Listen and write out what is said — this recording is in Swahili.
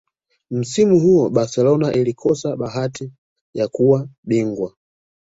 msimu huo barcelona ilikosa bahati ya kuwa bingwa